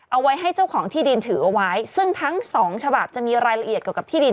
เอาไว้ให้เจ้าของที่ดินถือเอาไว้ซึ่งทั้งสองฉบับจะมีรายละเอียดเกี่ยวกับที่ดิน